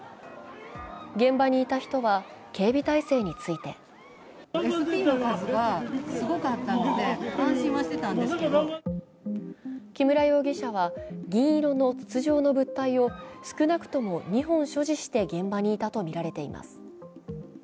現場にいた人は警備体制について木村容疑者は銀色の筒状の物体を少なくとも２本所持して現場にいたとみられています。